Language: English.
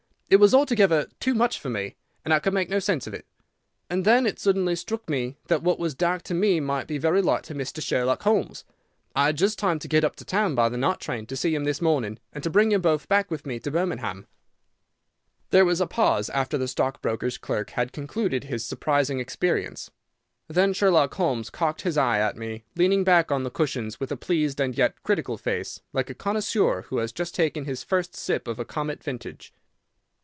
It was altogether too much for me, and I could make no sense of it. And then suddenly it struck me that what was dark to me might be very light to Mr. Sherlock Holmes. I had just time to get up to town by the night train to see him this morning, and to bring you both back with me to Birmingham." There was a pause after the stockbroker's clerk had concluded his surprising experience. Then Sherlock Holmes cocked his eye at me, leaning back on the cushions with a pleased and yet critical face, like a connoisseur who has just taken his first sip of a comet vintage.